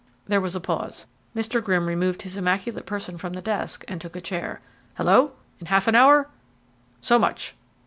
There was a pause. Mr. Grimm removed his immaculate person from the desk, and took a chair. "Hello! In half an hour? So much!"